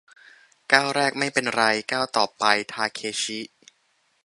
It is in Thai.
ก้าวแรกไม่เป็นไร ก้าวต่อไปทาเคชิ